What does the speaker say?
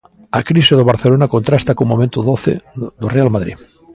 A crise do Barcelona contrasta co momento doce do Real Madrid.